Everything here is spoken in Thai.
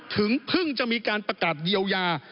ถึงเพิ่งจะมีการประกาศเยียวยา